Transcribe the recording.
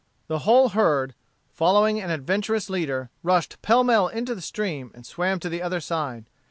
The whole herd, following an adventurous leader, rushed pell mell into the stream and swam to the other side.